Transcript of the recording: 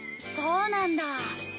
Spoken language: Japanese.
そうなんだ。